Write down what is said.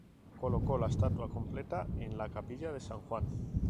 Colocó la estatua completa en la capilla de San Juan.